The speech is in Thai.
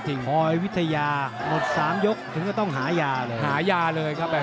พลอยวิทยาลด๓ยกถึงก็ต้องหายาเลย